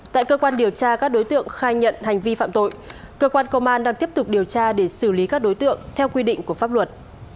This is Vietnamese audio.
tại cơ quan điều tra các đối tượng khai nhận hành vi phạm tội cơ quan công an đang tiếp tục điều tra để xử lý các đối tượng theo quy định của pháp luật